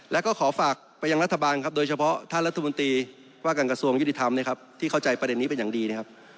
แล้วก็ขอฝากไปยังรัฐบาลครับโดยเฉพาะท่านรัฐมนตรีว่าการกระทรวงยุติธรรมนะครับที่เข้าใจประเด็นนี้เป็นอย่างดีนะครับ